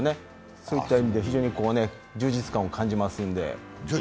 そういった意味で非常に充実感を感じますので。